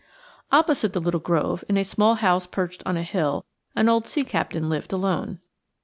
Opposite the little grove, in a small house perched on a hill, an old sea captain lived alone.